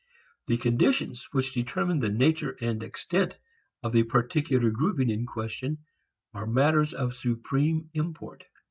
The conditions which determine the nature and extent of the particular grouping in question are matters of supreme import.